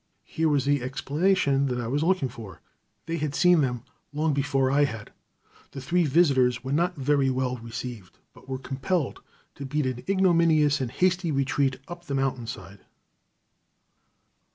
Here was the explanation that I was looking for. They had seen them long before I had. The three visitors were not very well received, but were compelled to beat an ignominious and hasty retreat up the mountain side.